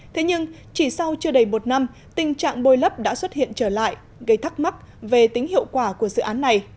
thế nhưng chỉ sau chưa đầy một năm tình trạng bôi lấp đã xuất hiện trở lại gây thắc mắc về tính hiệu quả của dự án này